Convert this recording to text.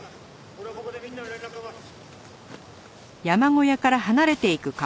俺はここでみんなの連絡を待つ。